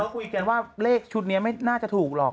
พอเราคุยเหรียญว่าเลขชุดนี้น่าจะถูกหรอก